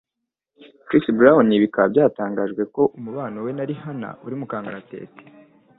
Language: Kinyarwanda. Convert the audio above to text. Chris brown bikaba byatangajwe ko umubano we na Rihana uri mukangaratete